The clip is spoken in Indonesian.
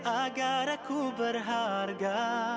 agar aku berharga